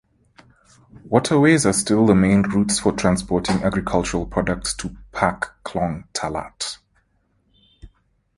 Waterways are still the main routes for transporting agricultural products to Pak Khlong Talat.